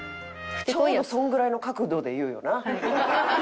ちょうどそんぐらいの角度で言うよな。